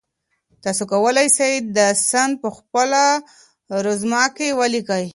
تاسو کولای سئ دا سند په خپله رزومه کي ولیکئ.